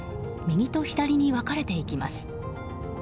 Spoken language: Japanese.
右と左に分かれていきます。